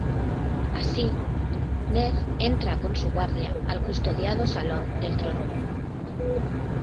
Así, Ned entra con su guardia al custodiado salón del trono.